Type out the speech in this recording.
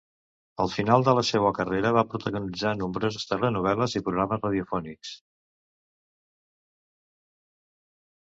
Al final de la seua carrera va protagonitzar nombroses telenovel·les i programes radiofònics.